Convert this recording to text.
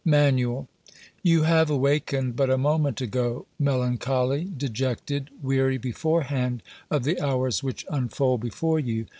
MANUAL You have awakened but a moment ago, melancholy, dejected, weary beforehand of the hours which unfold before you.